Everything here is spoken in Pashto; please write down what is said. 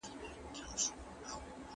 هغه ناره چي جلات خان کړې وه اوس هم یادیږي.